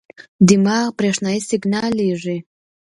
دماغ برېښنايي سیګنال لېږي.